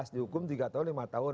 di hukum tiga tahun lima tahun